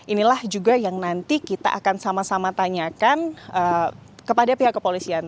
inilah juga yang nanti kita akan sama sama tanyakan kepada pihak kepolisian